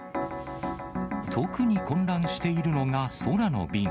特に混乱しているのが空の便。